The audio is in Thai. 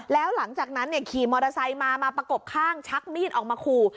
แล้วหลังจากนั้นขี่มอเตอร์ไซค์มามาประกบข้างชักมีดออกมาขู่